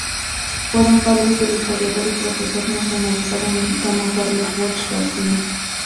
Fueron padres del historiador y profesor nacionalizado mexicano Carlos Bosch García.